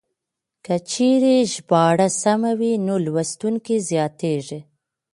که چېرې ژباړه سمه وي نو لوستونکي زياتېږي.